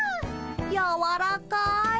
やわらかい。